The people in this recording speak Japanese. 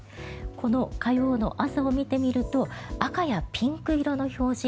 この火曜の朝を見てみると赤やピンク色の表示